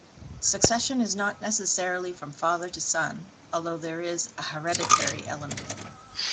Succession is not necessarily from father to son, although there is a hereditary element.